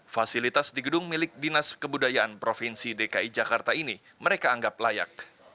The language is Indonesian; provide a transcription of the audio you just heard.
fasilitas di gedung milik dinas kebudayaan provinsi dki jakarta ini mereka anggap layak